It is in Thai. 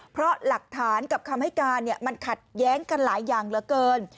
เพราะหลักฐานกับคำให้การมันขัดแย้งกันหลายอย่างเหลือเกิน